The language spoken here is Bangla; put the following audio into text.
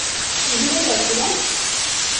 দূরে যা, শীলা!